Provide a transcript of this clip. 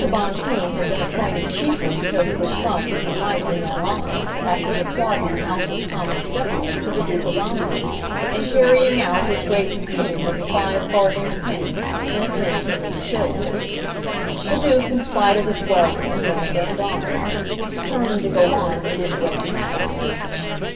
Bonteen had been appointed chiefly because it was thought that he might in that office act as a quasi House of Commons deputy to the Duke of Omnium in carrying out his great scheme of a five farthinged penny and a ten pennied shilling. The Duke, in spite of his wealth and rank and honour, was determined to go on with his great task.